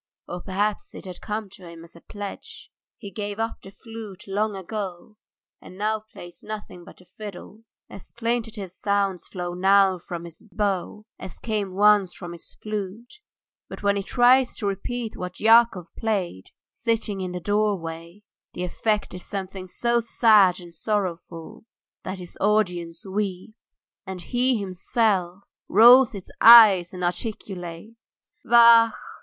Or perhaps it had come to him as a pledge. He gave up the flute long ago, and now plays nothing but the fiddle. As plaintive sounds flow now from his bow, as came once from his flute, but when he tries to repeat what Yakov played, sitting in the doorway, the effect is something so sad and sorrowful that his audience weep, and he himself rolls his eyes and articulates "Vachhh!